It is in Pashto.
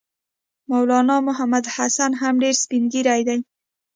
مولنا محمودالحسن هم ډېر سپین ږیری دی.